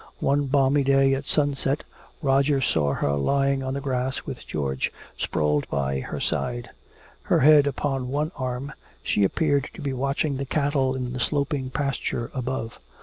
One balmy day at sunset, Roger saw her lying on the grass with George sprawled by her side. Her head upon one arm, she appeared to be watching the cattle in the sloping pasture above.